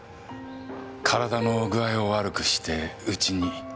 体の具合を悪くして家に。